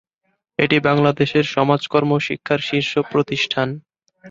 এটি বাংলাদেশের সমাজকর্ম শিক্ষার শীর্ষ প্রতিষ্ঠান।